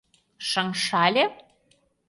Шыҥшале?..